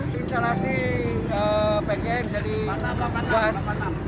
di instalasi pgm jadi gas